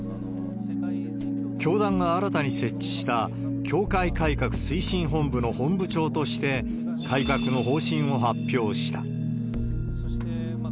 教団が新たに設置した教会改革推進本部の本部長として、改革の方針を発表した。